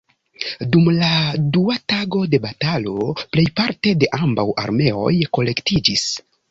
Dum la dua tago de batalo, plejparte de ambaŭ armeoj kolektiĝis.